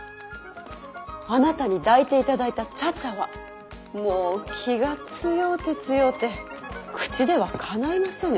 あなたに抱いていただいた茶々はもう気が強うて強うて口ではかないませぬ。